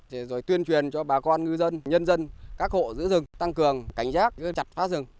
để rồi tuyên truyền cho bà con ngư dân nhân dân các hộ giữ rừng tăng cường cảnh giác chặt phá rừng